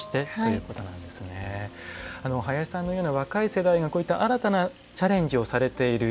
林さんのような若い世代が新たなチャレンジをされている。